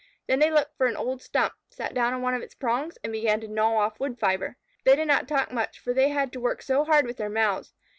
Then they looked for an old stump, sat down on one of its prongs, and began to gnaw off wood fibre. They did not talk much, for they had to work so hard with their mouths.